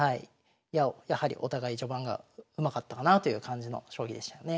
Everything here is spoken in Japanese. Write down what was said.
やはりお互い序盤がうまかったかなという感じの将棋でしたよね。